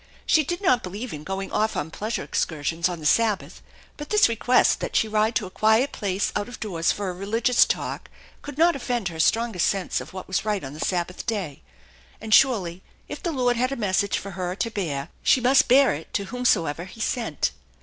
She did not believe in going off on pleasure excursions on the Sabbath, but this request that she ride to a quiet place out of doors for a religious talk could not offend 218 THE ENCHANTED BARN her strongest sense of what was right on the Sabbath day. And surely, if the Lord had a message for her to bear, she must bear it to whomsoever He sent.